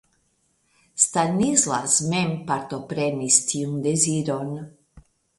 Stanislas mem partoprenis tiun deziron.